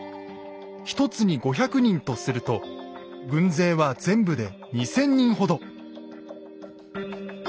１つに５００人とすると軍勢は全部で２，０００人ほど。